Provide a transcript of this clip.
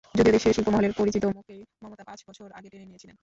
যদিও দেশের শিল্পমহলের পরিচিত মুখকেই মমতা পাঁচ বছর আগে টেনে নিয়েছিলেন।